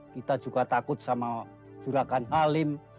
kita juga takut sama jurakan halim